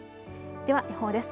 では予報です。